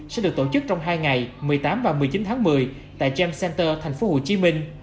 sẽ được tổ chức trong hai ngày một mươi tám và một mươi chín tháng một mươi tại jem center thành phố hồ chí minh